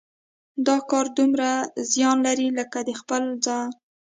دا کار دومره زیان لري لکه د خپل ځان.